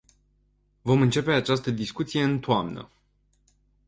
Vom începe această discuție în toamnă.